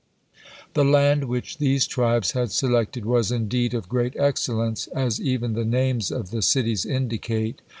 The land which these tribes had selected was indeed of great excellence, as even the names of the cities indicate.